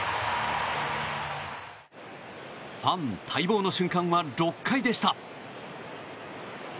ファン待望の瞬間は６回でした。